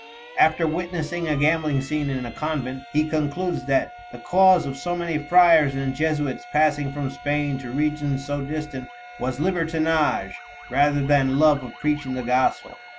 After witnessing a gambling scene in a convent, he concludes that "the cause of so many Friars and Jesuits passing from Spain to regions so distant was libertinage rather than love of preaching the Gospel."